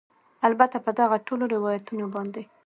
البته په دغه ټولو روایتونو باندې